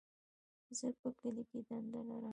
زه په کلي کي دنده لرم.